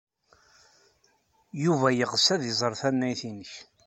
Yuba yeɣs ad iẓer tannayt-nnek.